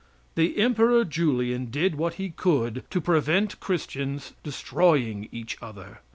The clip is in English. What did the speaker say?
The Emperor Julian did what he could to prevent Christians destroying each other.